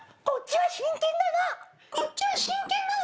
こっちは真剣なの！